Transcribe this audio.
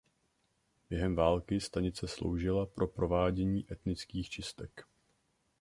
Během války stanice sloužila pro provádění etnických čistek.